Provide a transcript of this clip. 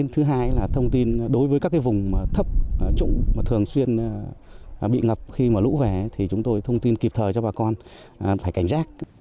thứ hai là thông tin đối với các cái vùng thấp trũng mà thường xuyên bị ngập khi mà lũ về thì chúng tôi thông tin kịp thời cho bà con phải cảnh giác